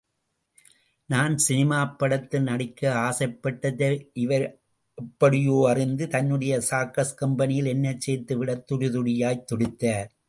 நான் சினிமாப்படத்தில் நடிக்க ஆசைப்பட்டதை இவர் எப்படியோ அறிந்து, தன்னுடைய சர்க்கஸ் கம்பெனியில் என்னைச் சேர்த்துவிடத் துடியாய்த் துடித்தார்.